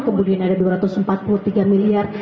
kemudian ada dua ratus empat puluh tiga miliar